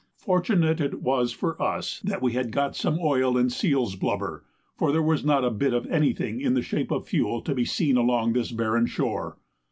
Fortunate it was for us that we had got some oil and seals' blubber, for there was not a bit of anything in the shape of fuel to be seen along this barren shore.